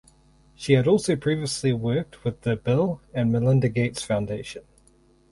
She had also previously worked with the Bill and Melinda Gates Foundation.